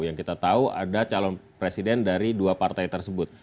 yang kita tahu ada calon presiden dari dua partai tersebut